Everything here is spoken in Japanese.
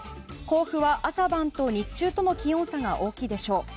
甲府は朝晩と日中との気温差が大きいでしょう。